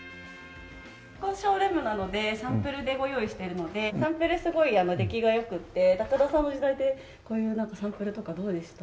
ここショールームなのでサンプルでご用意してるのでサンプルすごい出来が良くて高田さんの時代ってこういうサンプルとかどうでした？